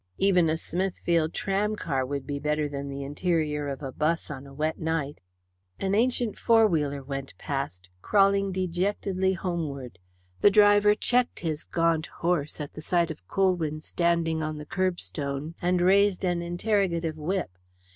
Even a Smithfield tram car would be better than the interior of a 'bus on a wet night. An ancient four wheeler went past, crawling dejectedly homeward. The driver checked his gaunt horse at the sight of Colwyn standing on the kerb stone, and raised an interrogative whip.